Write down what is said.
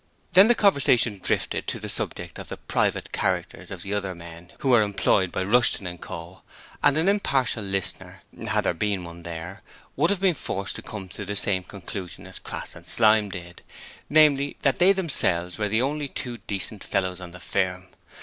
Then the conversation drifted to the subject of the private characters of the other men who were employed by Rushton & Co., and an impartial listener had there been one there would have been forced to come to the same conclusion as Crass and Slyme did: namely, that they themselves were the only two decent fellows on the firm.